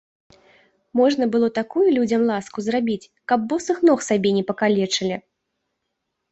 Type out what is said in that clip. Можна было такую людзям ласку зрабіць, каб босых ног сабе не пакалечылі.